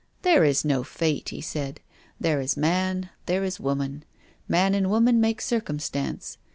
" There is no Fate," he said. " There is man, there is woman. Man and woman make circum stance.